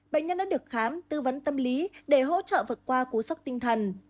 bệnh nhân đã được khám tư vấn tâm lý để hỗ trợ vượt qua cú sốc tinh thần